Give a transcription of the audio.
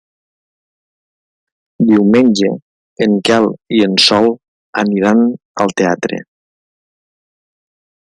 Diumenge en Quel i en Sol aniran al teatre.